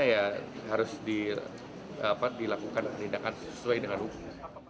ya harus dilakukan penindakan sesuai dengan hukum